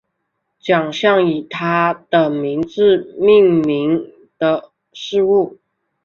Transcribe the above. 奖项以他的名字命名的事物